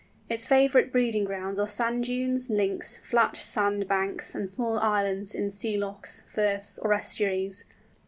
Its favourite breeding grounds are sand dunes, links, flat sand banks, and small islands in sea lochs, firths, or estuaries.